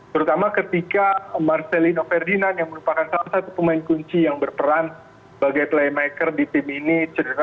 terutama ketika marcelino ferdinand yang merupakan salah satu pemain kunci yang berperan bagai playmaker di tim ini